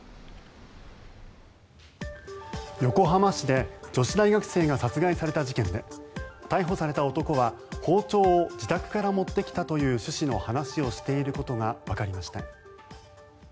横浜市で女子大学生が殺害された事件で逮捕された男は、包丁を自宅から持ってきたという趣旨の話をしていることがわかりました。